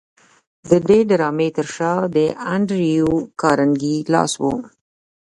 د دې ډرامې تر شا د انډریو کارنګي لاس و